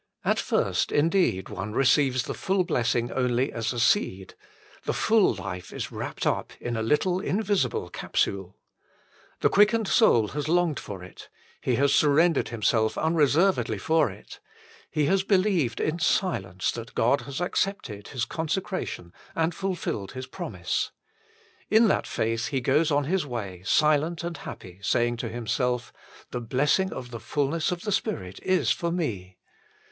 At first, indeed, one receives the full blessing only as a seed : the full life is wrapt up in a little invisible capsule. The quickened soul has longed for it ; he has surrendered himself unreservedly for it ; he has believed in silence that God has accepted his consecration and fulfilled His promise. In that faith he goes on his way, silent and happy, saying to himself :" The blessing of the fulness of the Spirit is for me."